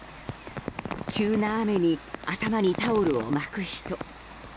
急な雨に頭にタオルを巻く人。